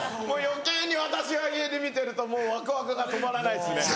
余計に私は家で見てるともうワクワクが止まらないですね。